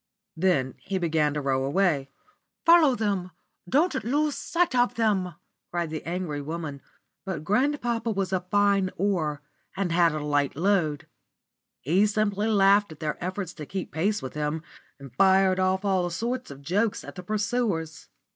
Then he began to row away. "Follow them! Don't lose sight of them!" cried the angry woman; but grandpapa was a fine oar and had a light load. He simply laughed at their efforts to keep pace with him, and fired off all sorts of jokes at the pursuers.